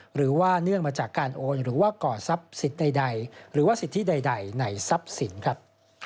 หรือว่าเนื่องมาจากการโอนหรือว่าก่อทรัพย์สิทธิ์ใดหรือว่าสิทธิใดในทรัพย์สินครับ